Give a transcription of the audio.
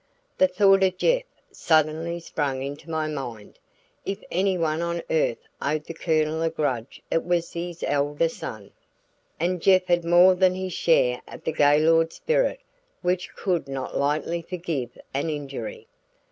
The thought of Jeff suddenly sprang into my mind. If anyone on earth owed the Colonel a grudge it was his elder son. And Jeff had more than his share of the Gaylord spirit which could not lightly forgive an injury.